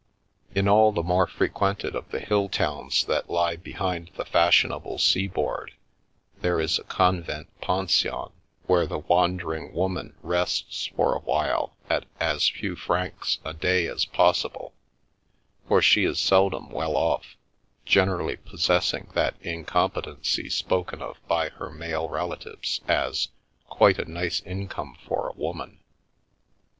In all the more frequented of the hill towns that lie behind the fashion able sea board, there is a convent pension, where the wandering woman rests for a while at as few francs a day as possible, for she is seldom well off, generally pos sessing that incompetency spoken of by her male relatives as " quite a nice income for a woman."